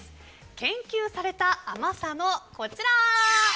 研究された甘さのこちら。